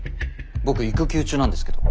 僕育休中なんですけど。